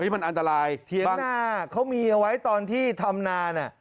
มันอันตรายเถียงนาเขามีไว้ตอนที่ทำนาน